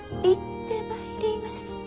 行ってまいります。